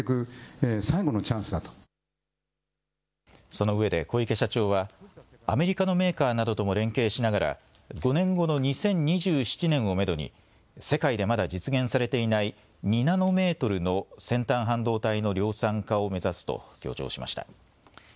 そのうえで小池社長はアメリカのメーカーなどとも連携しながら５年後の２０２７年をめどに世界でまだ実現されていない２ナノメートルの先端半導体の量産化を目指すと強調しました。